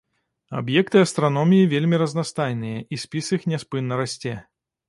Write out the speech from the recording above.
Аб'екты астраноміі вельмі разнастайныя, і спіс іх няспынна расце.